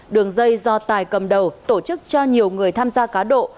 đường dây do tài cầm đầu tổ chức cho nhiều người tham gia cá độ